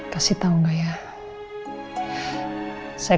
demi siapa pun yang kau apa minum